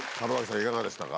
いかがでしたか？